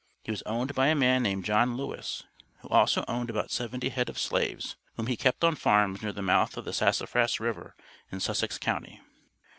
He was owned by a man named John Lewis, who also owned about seventy head of slaves, whom he kept on farms near the mouth of the Sassafras River, in Sussex county.